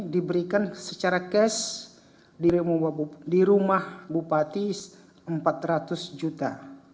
diberikan secara cash di rumah bupati empat ratus juta